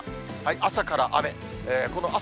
朝から雨。